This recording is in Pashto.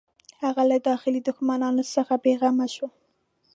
هغه له داخلي دښمنانو څخه بېغمه شو.